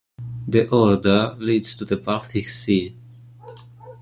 The Oder leads to the Baltic Sea.